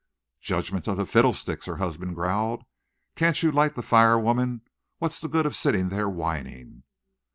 "Judgment of the fiddlesticks!" her husband growled. "Can't you light the fire, woman? What's the good of sitting there whining?"